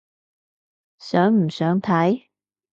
想唔想睇？